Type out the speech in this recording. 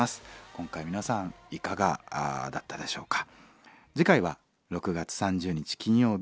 今回皆さんいかがだったでしょうか？